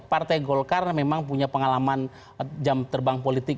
partai golkar memang punya pengalaman jam terbang politik